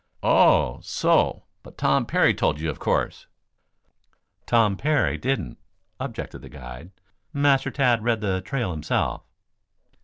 "Oho! So but Tom Parry told you, of course." "Tom Parry didn't," objected the guide. "Master Tad read the trail himself."